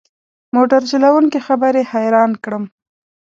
موټر چلوونکي خبرې حیران کړم.